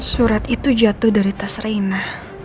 surat itu jatuh dari tas reina